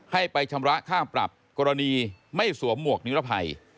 ให้ไปชำระค่าปรับกรณีไม่สวมหมวกนิรภัย